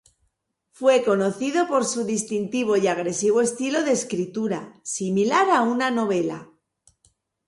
Fue conocido por su distintivo y agresivo estilo de escritura, similar a una novela.